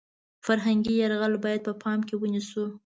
فرهنګي یرغل باید په پام کې ونیسو .